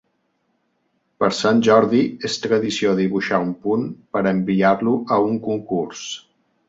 Per sant Jordi és tradició dibuixar un punt per enviar-lo a un concurs.